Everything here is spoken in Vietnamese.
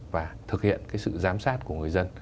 và thực hiện cái sự giám sát của người dân